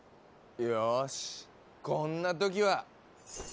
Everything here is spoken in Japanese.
よしこんな時は！